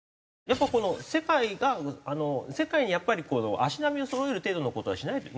やっぱこの世界が世界に足並みをそろえる程度の事はしないと。